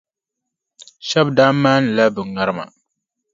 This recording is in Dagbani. Shɛba daa maanila bɛ ŋarima.